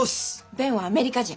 ベンはアメリカ人。